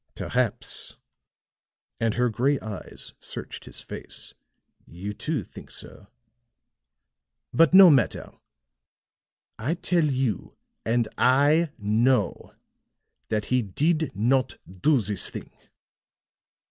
"Perhaps," and her gray eyes searched his face, "you too think so. But no matter. I tell you, and I know, that he did not do this thing."